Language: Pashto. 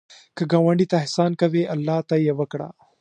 که ګاونډي ته احسان کوې، الله ته یې وکړه